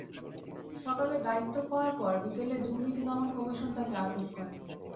সকালে দায়িত্ব পাওয়ার পর বিকেলে দুর্নীতি দমন কমিশন তাঁকে আটক করে।